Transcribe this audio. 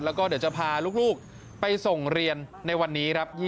แล้วก็เดี๋ยวจะพาลูกไปส่งเรียนในวันนี้ครับ